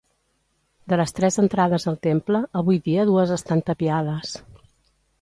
De les tres entrades al temple avui dia dues estan tapiades.